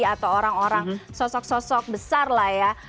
atau orang orang sosok sosok besar lah ya